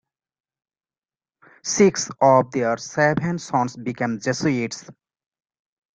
Six of their seven sons became Jesuits.